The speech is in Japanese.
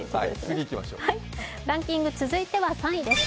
ランキング、続いては３位です。